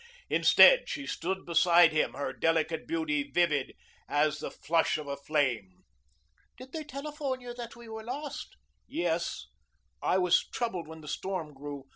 Instead she stood beside him, her delicate beauty vivid as the flush of a flame. "Did they telephone that we were lost?" "Yes. I was troubled when the storm grew.